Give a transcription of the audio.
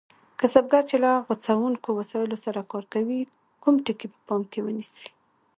کسبګر چې له غوڅوونکو وسایلو سره کار کوي کوم ټکي په پام کې ونیسي؟